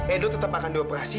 edo tetap akan dioperasi